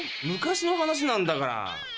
昔の話なんだから。